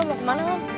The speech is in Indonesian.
lo mau kemana